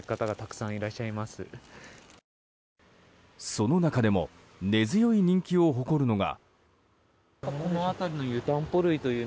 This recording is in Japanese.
その中でも根強い人気を誇るのが。